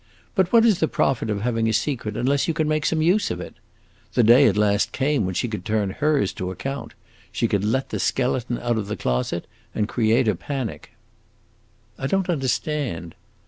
But what is the profit of having a secret unless you can make some use of it? The day at last came when she could turn hers to account; she could let the skeleton out of the closet and create a panic." "I don't understand."